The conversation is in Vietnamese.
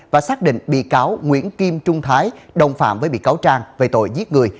và xác định bị cáo nguyễn kim trung thái đồng phạm với bị cáo trang về tội giết người